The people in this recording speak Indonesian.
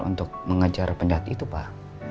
untuk mengejar pendaki itu pak